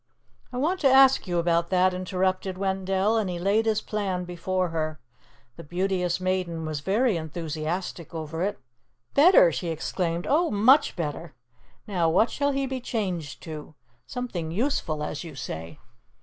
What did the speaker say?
"I want to ask you about that," interrupted Wendell, and he laid his plan before her. "The Beauteous Maiden was very enthusiastic over it." "Better!" she exclaimed. "Oh, much better! Now what shall he be changed to? Something useful, as you say."